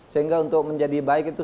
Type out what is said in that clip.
sehingga untuk menjadi baik itu